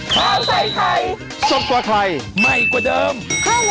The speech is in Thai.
ข้าวใส่ไทยสอบกว่าใครใหม่กว่าเดิมค่อยเมื่อล่า